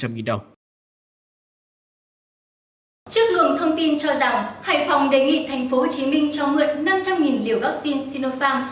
trước luồng thông tin cho rằng hải phòng đề nghị tp hcm cho mượn năm trăm linh liều vaccine sinofarm